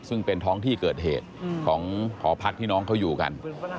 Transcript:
ซึ่งเป็นท้องที่เกิดเหตุของหอพักที่น้องเขาอยู่กัน